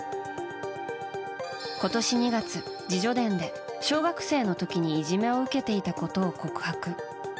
今年２月、自叙伝で小学生の時にいじめを受けていたことを告白。